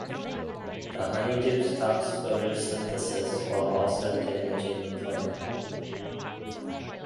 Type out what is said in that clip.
The honeydew stops photosynthesis while also damaging the plant.